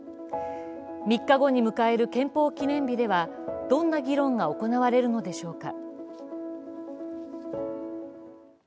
３日後に迎える憲法記念日ではどんな議論が行われるのでしょうか。